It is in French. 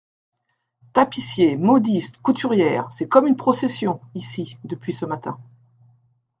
Tapissier, modiste, couturière, c'est comme une procession, ici, depuis ce matin.